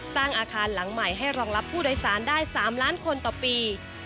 สร้างอาคารหลังใหม่ให้รองรับผู้โดยสารได้๓ล้านคนต่อปี